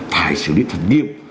phải xử lý thật nghiêm